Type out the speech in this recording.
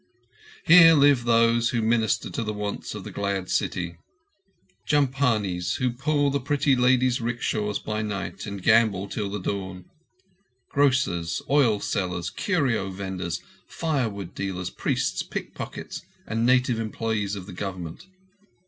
Here live those who minister to the wants of the glad city—jhampanis who pull the pretty ladies' "rickshaws by night and gamble till the dawn; grocers, oil sellers, curio vendors, firewood dealers, priests, pickpockets, and native employees of the Government.